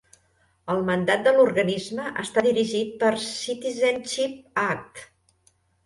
El mandat de l'organisme està dirigit per Citizenship Act.